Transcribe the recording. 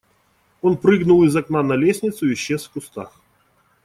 Он прыгнул из окна на лестницу и исчез в кустах.